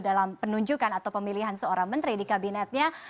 dalam penunjukan atau pemilihan seorang menteri di kabinetnya